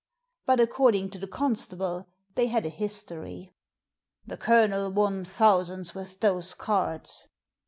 But according to the constable they had a history. " The Colonel won thousands with those cards."